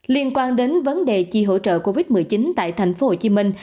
liên quan đến vấn đề chi hỗ trợ covid một mươi chín tại thành phố hồ chí minh